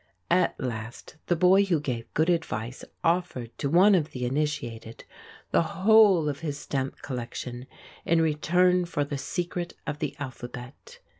At last the boy who gave good advice offered to one of the initiated the whole of his stamp collection in return for the secret of the alphabet.